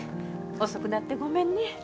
遅くなってごめんね。